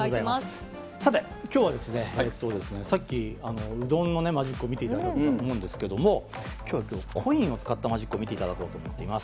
さて、きょうは、えーとですね、さっきうどんのね、マジックを見ていただいたと思うんですけれども、きょうはコインを使ったマジックを見ていただこうと思っています。